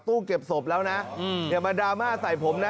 ตู้เก็บศพแล้วนะอืมเดี๋ยวมาดราม่าใส่ผมนะ